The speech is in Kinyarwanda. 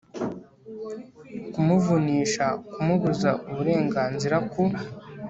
kumuvunisha kumubuza uburenganzira ku